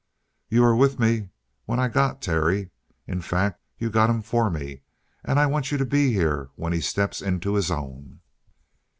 "You were with me when I got Terry. In fact, you got him for me. And I want you to be here when he steps into his own."